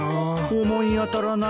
思い当たらないのか。